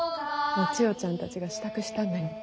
お千代ちゃんたちが支度したんだに。